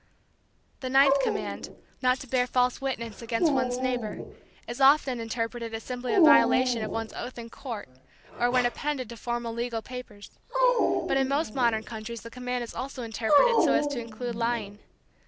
The ninth command, not to bear false witness against one's neighbor, is often interpreted as simply a violation of one's oath in court, or when appended to formal legal papers. But in most modern countries the command is also interpreted so as to include lying.